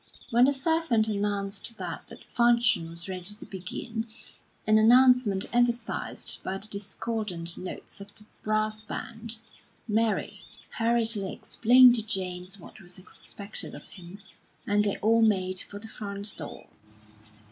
When the servant announced that the function was ready to begin, an announcement emphasised by the discordant notes of the brass band, Mary hurriedly explained to James what was expected of him, and they all made for the front door.